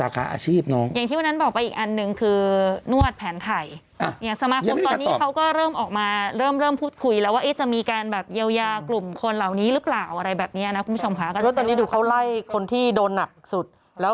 ก็ตอนนี้ดูเขาไล่คนที่โดนหนักสุด